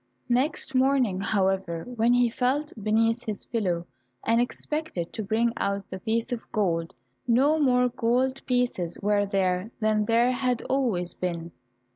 Next morning, however, when he felt beneath his pillow, and expected to bring out the piece of gold, no more gold pieces were there than there had always been.